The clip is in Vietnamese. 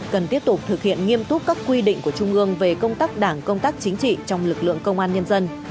cần tiếp tục thực hiện nghiêm túc các quy định của trung ương về công tác đảng công tác chính trị trong lực lượng công an nhân dân